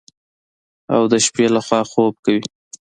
او د شپې لخوا خوب کوي.